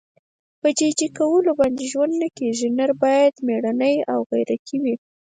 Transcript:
په جي جي کولو باندې ژوند نه کېږي. نر باید مېړنی او غیرتي وي.